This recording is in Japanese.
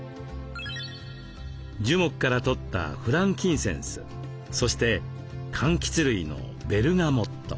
樹木から採ったフランキンセンスそしてかんきつ類のベルガモット。